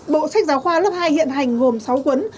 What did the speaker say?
bộ sách giáo khoa lớp hai hiện hành gồm sáu cuốn